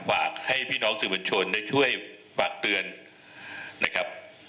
ฝากให้พี่น้องสื่อบัญชนได้ช่วยฝากเตือนนะครับ